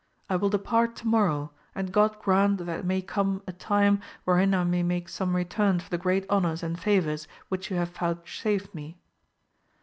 I will depart to morrow, and God grant that there may come a time wherein I may make some rekim for the great honours and favours which you have vouchsafed me.